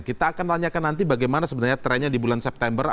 kita akan tanyakan nanti bagaimana sebenarnya trennya di bulan september